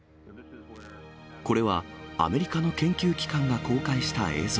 これはアメリカの研究機関が公開した映像。